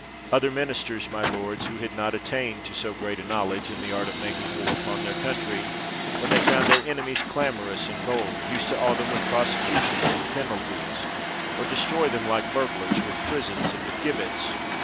Other ministers, my lords, who had not at tained to so great a knowledge in the art of ma king war upon their country, when they found their enemies clamorous and bold, used to awe them with prosecutions and penalties, or de stroy them like burglars, with prisons and with gibbets.